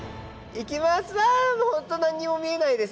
行きます。